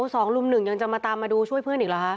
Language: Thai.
สองลุมหนึ่งยังจะมาตามมาดูช่วยเพื่อนอีกเหรอคะ